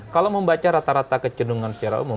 kalau membaca rata rata kecendungan secara umum